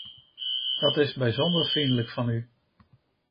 Dat is bijzonder vriendelijk van u.